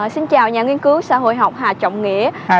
xin chào nhà nghiên cứu xã hội học hà trọng nghĩa